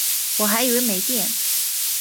我还以为没电